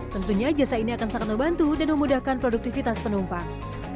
tentunya jasa ini akan sangat membantu dan memudahkan produktivitas penumpang